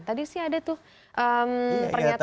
tadi sih ada tuh pernyataan